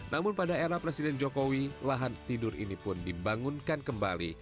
namun pada era presiden jokowi lahan tidur ini pun dibangunkan kembali